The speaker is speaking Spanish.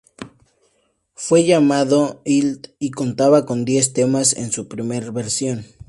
Fue llamado "Id" y contaba con diez temas en su primera versión.